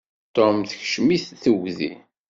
Tom tekcem-it tegdi.